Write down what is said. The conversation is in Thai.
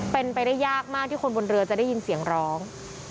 เป็นไปได้ยากมากที่คนบนเรือจะได้ยินเสียงร้อง